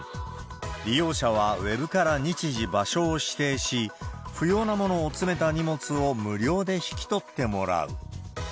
利用者はウェブから日時、場所を指定し、不要なものを詰めた荷物を無料で引き取ってもらう。